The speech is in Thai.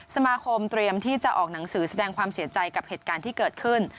สมาคมเตรียมที่จะออกหนังสือแสดงความเสียใจกับเหตุการณ์ที่เกิดขึ้น